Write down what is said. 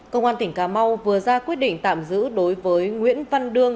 công an tỉnh cà mau vừa ra quyết định tạm giữ đối với nguyễn văn đương